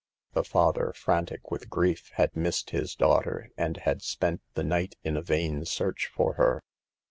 The father, frantic with grief, had missed his daughter, and had spent the night in a vain search for her.